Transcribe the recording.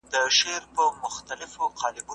هغه کسان چې لږ عاید لري باید ورسره مرسته وسي.